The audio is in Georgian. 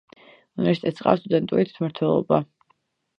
უნივერსიტეტს ჰყავს სტუდენტური თვითმმართველობა.